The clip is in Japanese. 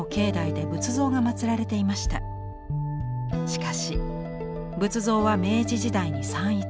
しかし仏像は明治時代に散逸。